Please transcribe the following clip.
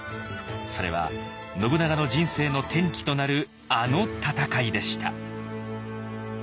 それは信長の人生の転機となるあの戦いでした。